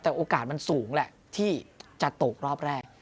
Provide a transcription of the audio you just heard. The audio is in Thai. แต่โอกาสมันสูงแหละที่จะตกรอบแรก